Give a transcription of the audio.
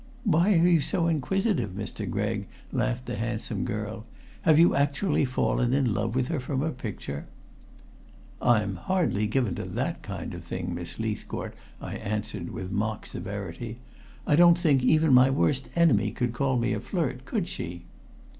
"Why are you so very inquisitive, Mr. Gregg?" laughed the handsome girl. "Have you actually fallen in love with her from her picture?" "I'm hardly given to that kind of thing, Miss Leithcourt," I answered with mock severity. "I don't think even my worst enemy could call me a flirt, could she?"